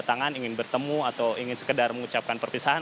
tangan ingin bertemu atau ingin sekedar mengucapkan perpisahan